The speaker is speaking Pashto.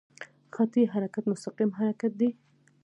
خطي حرکت مستقیم حرکت دی.